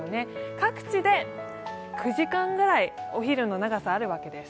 各地で９時間ぐらい、お昼の長さがあるわけです。